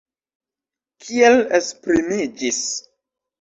Kiel esprimiĝis?